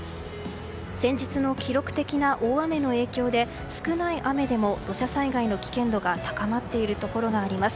先日の記録的な大雨の影響で少ない雨でも土砂災害の危険度が高まっているところがあります。